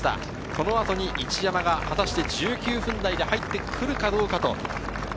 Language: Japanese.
この後に一山が果たして１９分台で入ってくるかどうか。